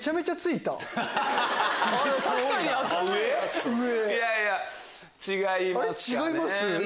いやいや違いますね。